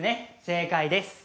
正解です。